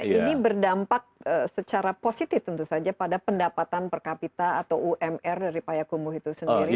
ini berdampak secara positif tentu saja pada pendapatan per kapita atau umr dari payakumbuh itu sendiri